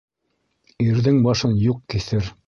Ирҙең башын юҡ киҫер.